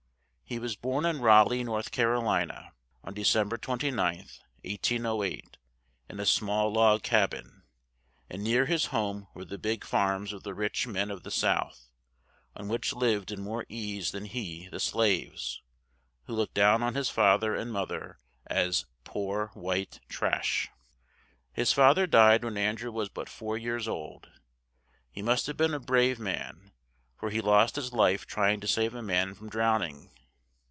He was born in Ra leigh, North Car o li na, on De cem ber 29th, 1808, in a small log cab in; and near his home were the big farms of the rich men of the South, on which lived in more ease than he the slaves, who looked down on his fa ther and mo ther as "poor white trash." His fa ther died when An drew was but four years old; he must have been a brave man, for he lost his life try ing to save a man from drown ing.